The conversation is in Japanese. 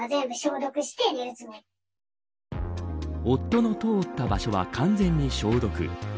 夫の通った場所は完全に消毒。